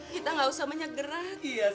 kita gak usah menyegeraki ya